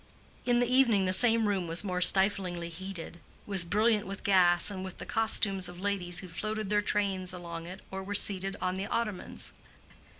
In the evening the same room was more stiflingly heated, was brilliant with gas and with the costumes of ladies who floated their trains along it or were seated on the ottomans.